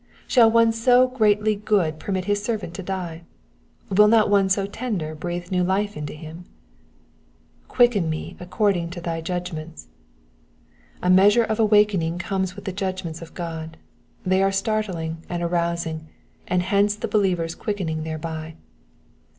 Shall one so greatly good permit his servant to die ? Will not one so tender breathe new Rfe into him? ^^ Quicken me according to thy judgments.'''* A measure of awakening comes with the judgments of God ; they arc startling and arous ing ; and hence the believer's quickening thereby.